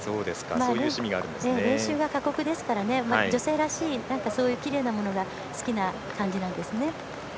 練習が過酷ですからそういう女性らしいきれいなものが好きな感じなんですね。